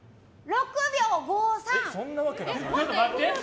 ６秒５３！